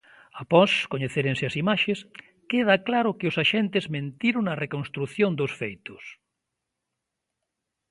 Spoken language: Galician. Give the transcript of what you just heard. Após coñecérense as imaxes, queda claro que os axentes mentiron na reconstrución dos feitos.